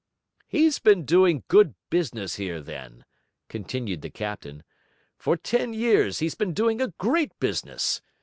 'He's been doing good business here, then,' continued the captain. 'For ten years, he's been doing a great business.